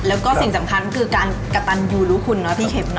แล้วก็สิ่งสำคัญคือการกระตันยูรู้คุณเนาะพี่เข็มเน